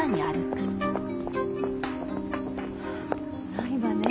ないわねぇ。